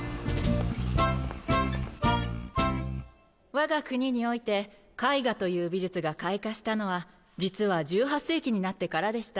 わが国において絵画という美術が開花したのは実は１８世紀になってからでした。